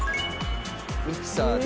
ミキサーで。